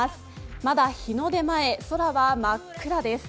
まだ日の出前、空は真っ暗です。